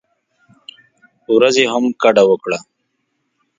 ورځې هم ګډه وکړه.